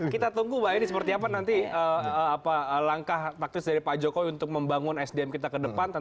kita tunggu mbak eni seperti apa nanti langkah taktis dari pak jokowi untuk membangun sdm kita ke depan